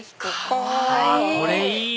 あこれいい！